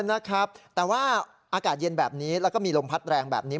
นะครับแต่ว่าอากาศเย็นแบบนี้แล้วก็มีลมพัดแรงแบบนี้